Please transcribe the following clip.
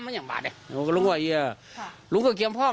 ไม่กลัวนะครับ